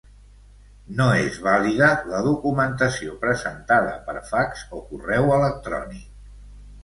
No és vàlida la documentació presentada per fax o correu electrònic.